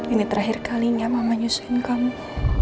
ini terakhir kalinya mama nyusuin kamu